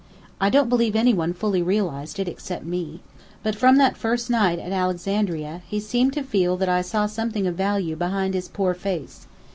I don't believe any one fully realized it, except me. But from that first night at Alexandria, he seemed to feel that I saw something of value behind his poor face.